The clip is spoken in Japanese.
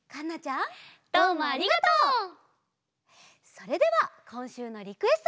それではこんしゅうのリクエストで。